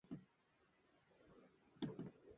ださいたま